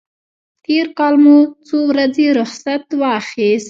تېر کال ما څو ورځې رخصت واخیست.